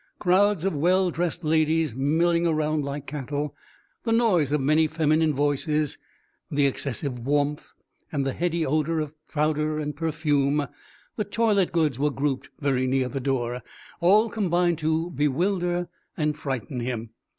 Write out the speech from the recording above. Crowds of well dressed ladies milling round like cattle, the noise of many feminine voices, the excessive warmth and the heady odour of powder and perfume the toilet goods were grouped very near the door all combined to bewilder and frighten him.